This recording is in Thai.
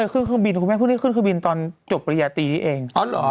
ขึงได้ไม่ขึ้นตอนก่อนที่จบประญาตีเอง